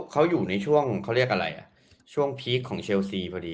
เขาอยู่ในช่วงพีคของเชลซีพอดี